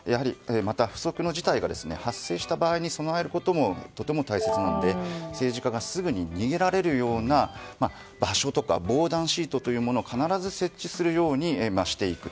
不測の事態が発生した場合に備えることもとても大切なので、政治家がすぐに逃げられるような場所とか防弾シートを必ず設置するようにしていく。